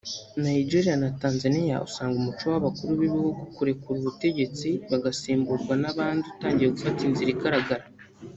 Nigeria na Tanzanie usanga Umuco w’abakuru b’ibihugu kurekura ubutegetsi bagasimburwa n’abandi utangiye gufata Inzira igaragara